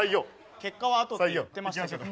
結果はあとって言ってましたけど。